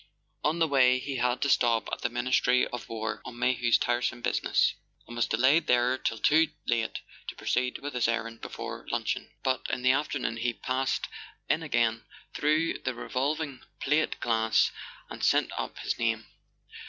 On the way he had to stop at the Ministry of War on May hew's tiresome business, and was delayed there till too late to proceed with his errand before luncheon. But [ 148 ] A SON AT THE FRONT in the afternoon he passed in again through the revolv¬ ing plate glass, and sent up his name.